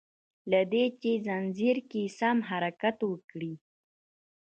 له دي چي ځنځير کی سم حرکت وکړي